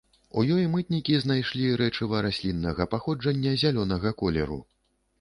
У ёй мытнікі знайшлі рэчыва расліннага паходжання зялёнага колеру.